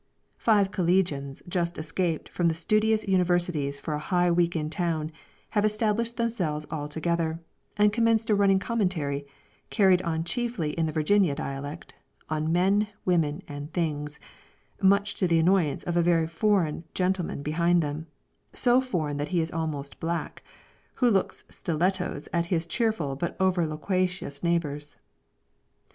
Five collegians just escaped from the studious universities for a high week in town, have established themselves all together, and commenced a running commentary, carried on chiefly in the Virginia dialect, on men, women, and things, much to the annoyance of a very foreign gentleman behind them so foreign that he is almost black who looks stilettos at his cheerful but over loquacious neighbours.